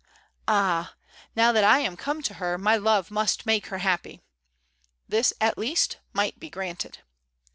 Ah! now that I am come to her, my love must make her happy." This, at least, might be granted.